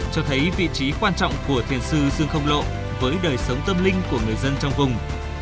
cho thấy vị trí quan trọng của tiền sư dương không lộ với đời sống tâm linh của người dân trong vùng